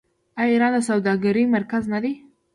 آیا ایران د سوداګرۍ مرکز نه دی؟